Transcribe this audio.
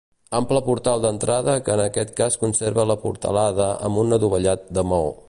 Ample portal d'entrada que en aquest cas conserva la portalada amb un adovellat de maó.